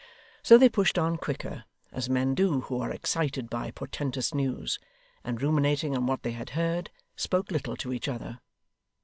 So they pushed on quicker, as men do who are excited by portentous news; and ruminating on what they had heard, spoke little to each other.